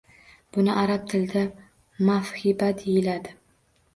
Buni arab tilida “mavhiba” deyiladi.